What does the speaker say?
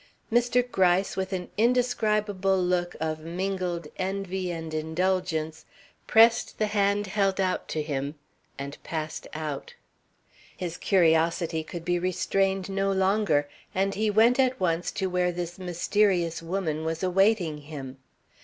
Mr. Gryce, with an indescribable look of mingled envy and indulgence, pressed the hand held out to him, and passed out. His curiosity could be restrained no longer, and he went at once to where this mysterious woman was awaiting him.